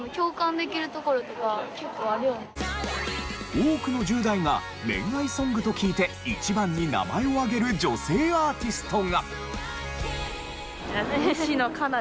多くの１０代が恋愛ソングと聞いて一番に名前を挙げる女性アーティストが。